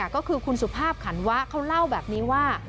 ก็คือคุณสุภาพขันวะเขาเล่าแบบนี้ว่า